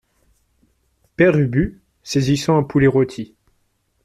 Père Ubu , saisissant un poulet rôti.